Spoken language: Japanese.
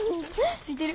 ついてる？